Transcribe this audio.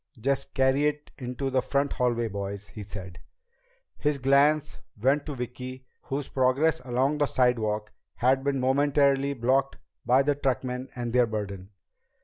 "Just carry it into the front hallway, boys," he said. His glance went to Vicki, whose progress along the sidewalk had been momentarily blocked by the truckmen and their burden.